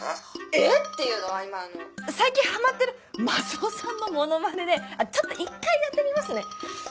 「えっ⁉」っていうのは今最近ハマってるマスオさんのモノマネでちょっと１回やってみますね。